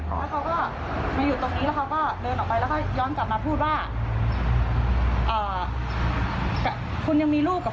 แล้วก็เขาก็พูดว่าขอมีเพื่อนสัมพันธ์ด้วย